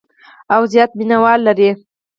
او زیات مینوال لري.